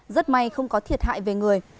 rất may không có thiệt hại về người